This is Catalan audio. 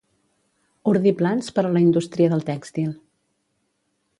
Ordir plans per a la indústria del tèxtil.